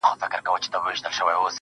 د اوښکو ته مو لپې لوښي کړې که نه؟